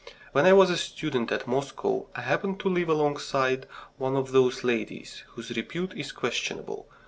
When I was a student at Moscow I happened to live alongside one of those ladies whose repute is questionable.